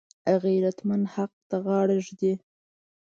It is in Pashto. غیرتمند حق ته غاړه ږدي